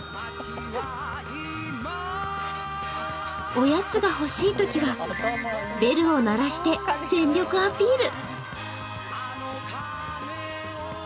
おやつが欲しいときはベルを鳴らして全力アピール。